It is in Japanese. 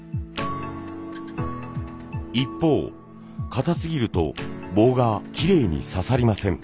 一方かたすぎると棒がきれいにささりません。